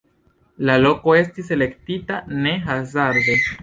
La loko estis elektita ne hazarde.